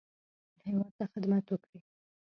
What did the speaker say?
هیواد ته خدمت وکړي.